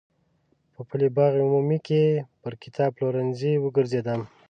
په پل باغ عمومي کې پر کتاب پلورونکو وګرځېدم.